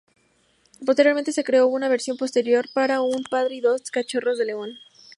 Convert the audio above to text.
Posteriormente se creó una versión posterior para un padre y dos cachorros de león.